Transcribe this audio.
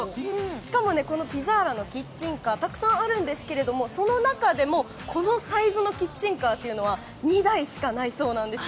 しかもこのピザーラのキッチンカーたくさんあるんですがその中でもこのサイズのキッチンカーは２台しかないそうなんです。